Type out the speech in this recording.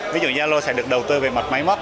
ví dụ như yalo sẽ được đầu tư về mặt máy móc